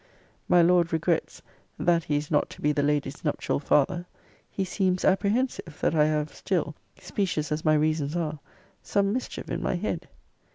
My Lord regrets, 'that he is not to be the Lady's nuptial father. He seems apprehensive that I have still, specious as my reasons are, some mischief in my head.'